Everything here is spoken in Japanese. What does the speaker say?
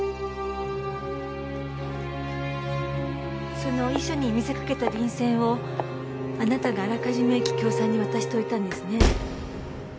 その遺書に見せかけた便箋をあなたがあらかじめ桔梗さんに渡しておいたんですね。